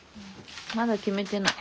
まだ決めてない。